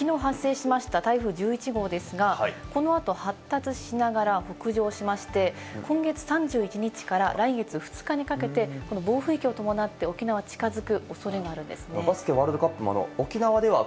きのう発生しました台風１１号ですが、このあと発達しながら北上しまして、今月３１日から来月２日にかけてこの暴風域を伴って沖縄に近づくおそれがあるんですね。